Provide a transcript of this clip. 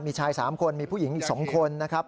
มีชาย๓คนมีผู้หญิงอีก๒คนนะครับ